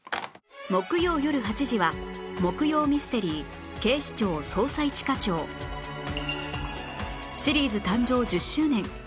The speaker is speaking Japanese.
木曜よる８時は木曜ミステリー『警視庁・捜査一課長』シリーズ誕生１０周年